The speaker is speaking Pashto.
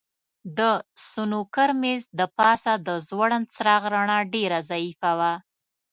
د سنوکر مېز د پاسه د ځوړند څراغ رڼا ډېره ضعیفه وه.